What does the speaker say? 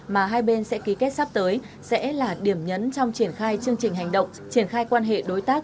mà hai bên sẽ ký kết sắp tới sẽ là điểm nhấn trong triển khai chương trình hành động triển khai quan hệ đối tác